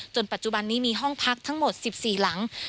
ปัจจุบันนี้มีห้องพักทั้งหมด๑๔หลัง